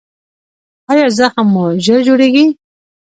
ایا زخم مو ژر جوړیږي؟